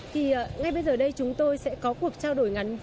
thì ngay bây giờ đây chúng tôi sẽ có cuộc trao đổi ngắn